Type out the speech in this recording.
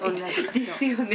「ですよね」。